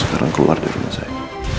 sekarang keluar dari rumah saya